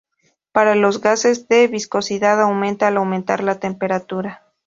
Para los gases la viscosidad aumenta al aumentar la temperatura.